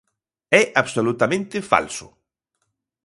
É absolutamente falso.